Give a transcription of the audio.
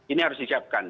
ini harus disiapkan